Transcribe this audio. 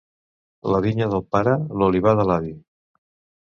La vinya del pare, l'olivar de l'avi.